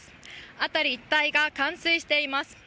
辺り一帯が冠水しています。